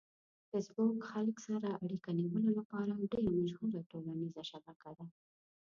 فېسبوک خلک سره اړیکه نیولو لپاره ډېره مشهوره ټولنیزه شبکه ده.